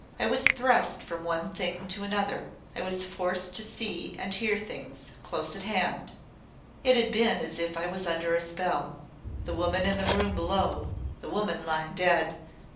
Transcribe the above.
"I was thrust from one thing to another. I was forced to see and hear things close at hand. It has been as if I was under a spell. The woman in the room below the woman lying dead!"